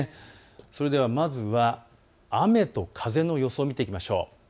それではまずは雨と風の予想を見ていきましょう。